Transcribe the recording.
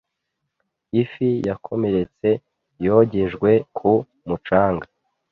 Ifi yakomeretse yogejwe ku mucanga.